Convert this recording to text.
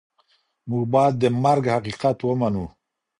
موږ باید د مرګ حقیقت ومنو.